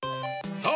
さあ！